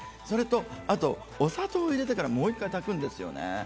それとあと、お砂糖入れてから、もう一回炊くんですよね。